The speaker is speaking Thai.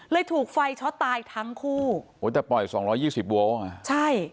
ถูกไฟช็อตตายทั้งคู่โอ้ยแต่ปล่อยสองร้อยยี่สิบโวลอ่ะใช่